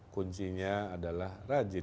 kuncinya adalah rajin